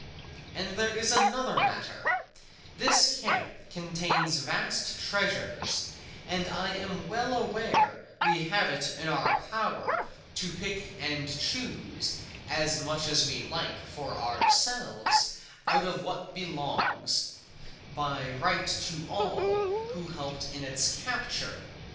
And there is another matter: this camp contains vast treasures, and I am well aware we have it in our power to pick and choose as much as we like for ourselves out of what belongs by right to all who helped in its capture.